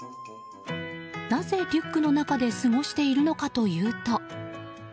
なぜリュックの中で過ごしているのかというと。